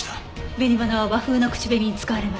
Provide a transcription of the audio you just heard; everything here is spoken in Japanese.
紅花は和風の口紅に使われます。